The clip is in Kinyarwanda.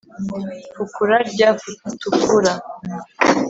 fukura rya futukura